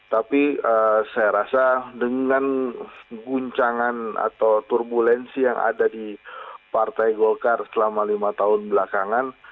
tapi saya rasa dengan guncangan atau turbulensi yang ada di partai golkar selama lima tahun belakangan